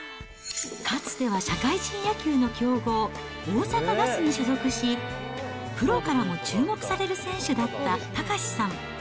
かつては社会人野球の強豪、大阪ガスに所属し、プロからも注目される選手だった岳さん。